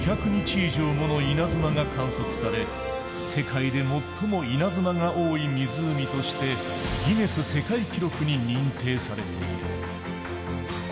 以上もの稲妻が観測され世界で最も稲妻が多い湖としてギネス世界記録に認定されている。